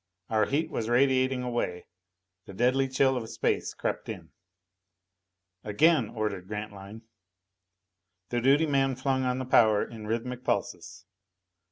Our heat was radiating away; the deadly chill of space crept in. "Again!" ordered Grantline. The duty man flung on the power in rhythmic pulses.